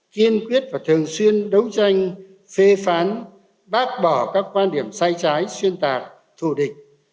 kiên quyết và thường xuyên đấu tranh phê phán bác bỏ các quan điểm sai trái xuyên tạp thù địch